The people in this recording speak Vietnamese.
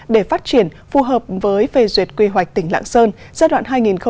để phát triển phù hợp với phê duyệt quy hoạch tỉnh lạng sơn giai đoạn hai nghìn hai mươi một hai nghìn ba mươi